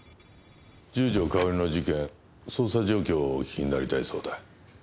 十条かおりの事件捜査状況をお聞きになりたいそうだ。